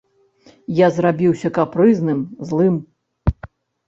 Я зрабіўся капрызным, злым.